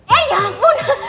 eh ya ampun